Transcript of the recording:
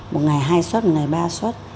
một ngày hai xuất một ngày ba xuất